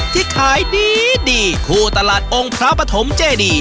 ที่ขายดีคู่ตลาดองค์พระปฐมเจดี